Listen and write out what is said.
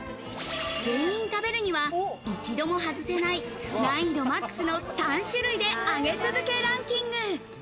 全員食べるには一度も外せない、難易度ＭＡＸの３種類で上げ続けランキング。